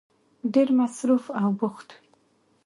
ډېر مصروف او بوخت وی